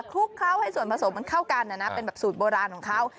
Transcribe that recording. ลุกเคล้าให้ส่วนผสมมันเข้ากันเป็นแบบสูตรโบราณของเขา